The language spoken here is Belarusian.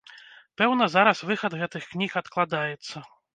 Пэўна, зараз выхад гэтых кніг адкладаецца.